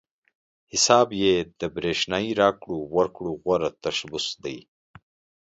حساب پې د برېښنايي راکړو ورکړو غوره تشبث دی.